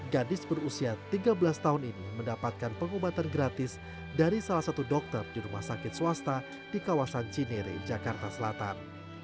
gadis berusia tiga belas tahun ini mendapatkan pengobatan gratis dari salah satu dokter di rumah sakit swasta di kawasan cinere jakarta selatan